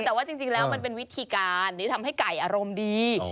แต่ว่าจริงแล้วมันเป็นวิธีการที่ทำให้ไก่อารมณ์ดี